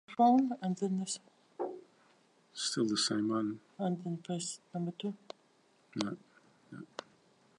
Tās ir tās ministrijas, kuras ir atbildīgas par veselas jautājumu virknes risināšanu.